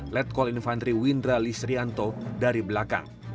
letkol infantri windra listrianto dari belakang